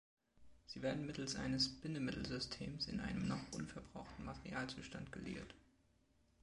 Sie werden mittels eines Bindemittelsystems in einem noch unverbrauchten Materialzustand geliert.